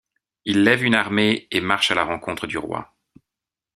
Il lève une armée et marche à la rencontre du roi.